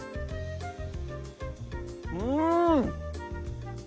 うん！